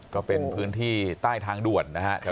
ก็เป็นพื้นที่ใต้ทางด่วนนะครับ